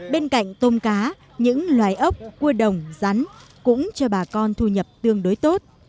bên cạnh tôm cá những loài ốc cua đồng rắn cũng cho bà con thu nhập tương đối tốt